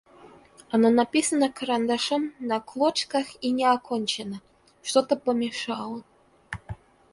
Оно написано карандашом на клочках и не окончено: что-то помешало.